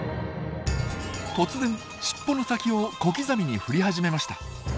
突然しっぽの先を小刻みに振り始めました。